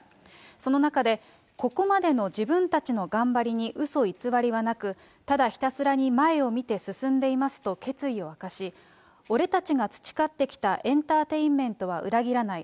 その中で、ここまでの自分たちの頑張りにうそ偽りはなく、ただひたすらに前を見て進んでいますと決意を明かし、俺たちが培ってきたエンタテインメントは裏切らない。